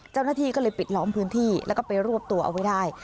เจ้าหน้าที่ก็เลยปิดล้อมพื้นที่แล้วก็ไปรวบตัวเอาไว้ได้